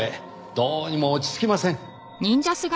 どうにも落ち着きません。